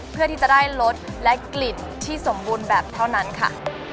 เพื่อที่จะได้รสและกลิ่นที่สมบูรณ์แบบเท่านั้นค่ะ